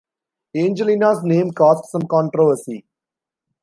Angelina's name caused some controversy.